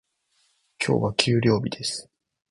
今日は給料日です。